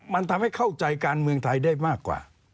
มันทำให้เข้าใจการเมืองไทยได้มากกว่า